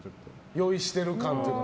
用意してる感というか。